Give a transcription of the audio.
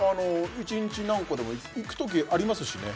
１日何個でもいくときありますしね